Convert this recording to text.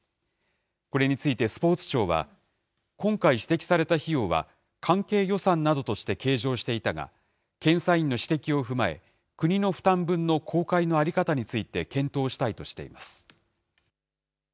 これについてスポーツ庁は、今回指摘された費用は、関係予算などとして計上していたが、検査院の指摘を踏まえ、国の負担分の公開の在り方について、検討したいとしています。